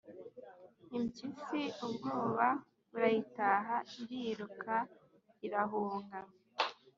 impyisi ubwoba burayitaha, iriruka irahunga.